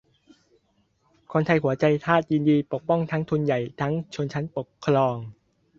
คนไทยหัวใจทาสยินดีปกป้องทั้งทุนใหญ่ทั้งชนชั้นปกครอง